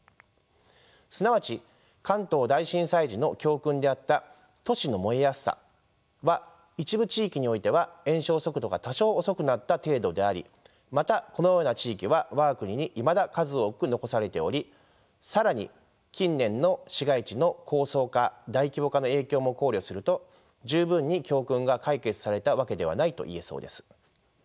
すなわち関東大震災時の教訓であった都市の燃えやすさは一部地域においては延焼速度が多少遅くなった程度でありまたこのような地域は我が国にいまだ数多く残されており更に近年の市街地の高層化大規模化の影響も考慮すると十分に教訓が解決されたわけではないといえそうです。